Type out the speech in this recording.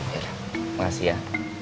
yaudah makasih ya